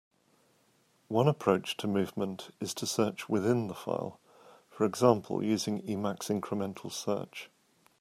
One approach to movement is to search within the file, for example using Emacs incremental search.